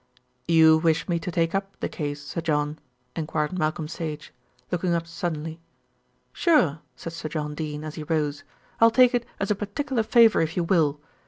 "You wish me to take up the case, Sir John?" enquired Malcolm Sage, looking up suddenly. "Sure," said Sir John Dene as he rose. "I'll take it as a particular favour if you will.